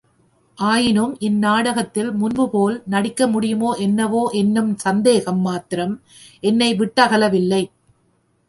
ஆயினும் இந் நாடத்தில் முன்பு போல் நடிக்க முடியுமோ என்னவோ என்னும் சந்தேகம் மாத்திரம் என்னை விட்டகலவில்லை.